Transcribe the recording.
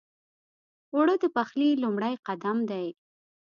اوړه د پخلي لومړی قدم دی